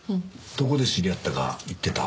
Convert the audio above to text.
どこで知り合ったか言ってた？